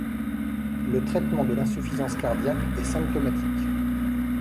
Le traitement de l'insuffisance cardiaque est symptomatique.